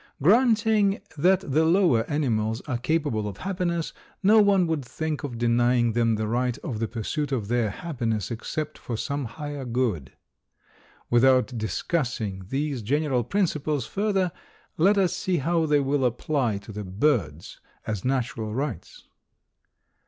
Granting that the lower animals are capable of happiness, no one would think of denying them the right of the pursuit of their happiness except for some higher good. Without discussing these general principles further let us see how they will apply to the birds as natural rights.